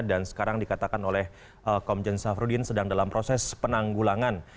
dan sekarang dikatakan oleh komjen sefrudin sedang dalam proses penanggulangan